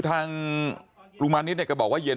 บอกแล้วบอกแล้วบอกแล้ว